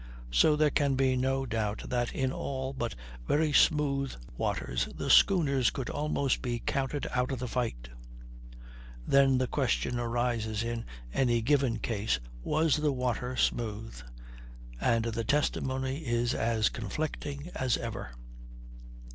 So there can be no doubt that in all but very smooth water the schooners could almost be counted out of the fight. Then the question arises in any given case, was the water smooth? And the testimony is as conflicting as ever.